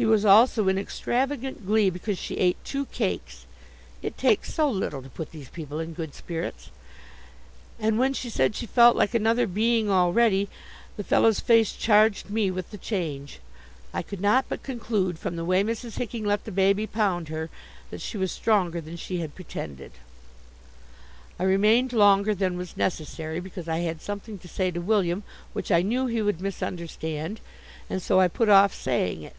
He was also in extravagant glee because she ate two cakes (it takes so little to put these people in good spirits), and when she said she felt like another being already, the fellow's face charged me with the change. I could not but conclude, from the way Mrs. Hicking let the baby pound her, that she was stronger than she had pretended. I remained longer than was necessary, because I had something to say to William which I knew he would misunderstand, and so I put off saying it.